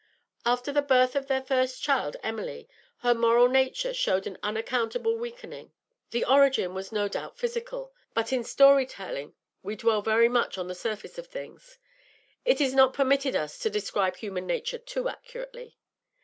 After the birth of her first child, Emily, her moral nature showed an unaccountable weakening; the origin was no doubt physical, but in story telling we dwell very much on the surface of things; it is not permitted us to describe human nature too accurately.